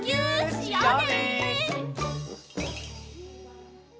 しようね！